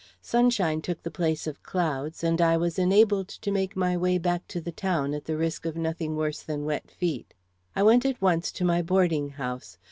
Sunshine took the place of clouds, and I was enabled to make my way back to the town at the risk of nothing worse than wet feet. I went at once to my boarding house.